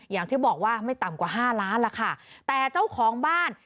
อย่างที่บอกว่าไม่ต่ำกว่าห้าล้านล่ะค่ะแต่เจ้าของบ้าน